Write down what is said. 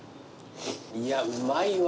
いやうまいわ。